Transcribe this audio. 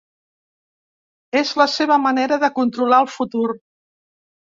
És la seva manera de controlar el futur.